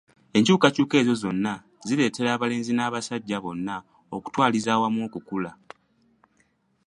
Enkyukakyuka ezo zonna zireetera abalenzi n'abasajja bonna okutwalizaamu okukula.